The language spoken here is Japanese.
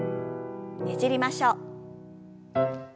ねじりましょう。